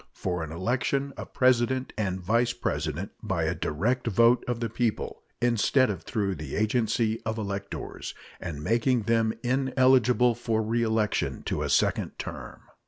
For an election of President and Vice President by a direct vote of the people, instead of through the agency of electors, and making them ineligible for reelection to a second term.